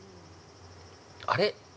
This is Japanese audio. あれ？